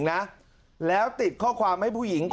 อาทิตย์๒๕อาทิตย์